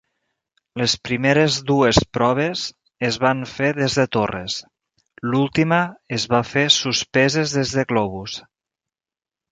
Les primeres dues proves es van fer des de torres, l'última es va fer suspeses des de globus.